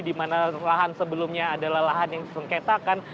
dimana lahan sebelumnya adalah lahan yang disengketakan